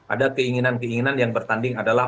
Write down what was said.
ada keinginan keinginan yang bertanding adalah